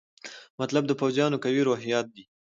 مطلب د پوځیانو قوي روحیات دي.